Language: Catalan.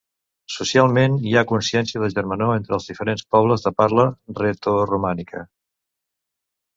Socialment hi ha consciència de germanor entre els diferents pobles de parla retoromànica.